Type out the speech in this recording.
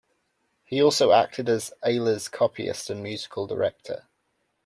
He also acted as Ayler's copyist and musical director.